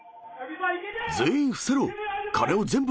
全員、伏せろ。